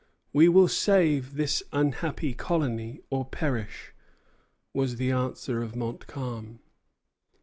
"We will save this unhappy colony, or perish," was the answer of Montcalm.